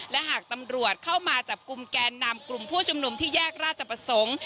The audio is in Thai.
และหากตำรวจเข้ามาจับกลุ่มแกนนำกลุ่มผู้ชุมนุมที่แยกราชประสงค์